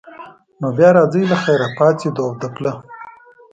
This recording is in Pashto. نو بیا راځئ له خیره، پاڅېدو او د پله.